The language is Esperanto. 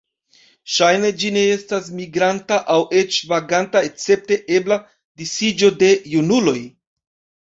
Ŝajne ĝi ne estas migranta aŭ eĉ vaganta escepte ebla disiĝo de junuloj.